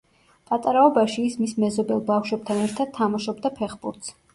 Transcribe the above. პატარაობაში ის მის მეზობელ ბავშვებთან ერთად თამაშობდა ფეხბურთს.